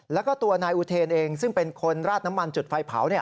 แล้วก็ตัวนายอุเทนเองซึ่งเป็นคนราดน้ำมันจุดไฟเผา